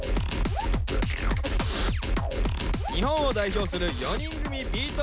日本を代表する４人組ビート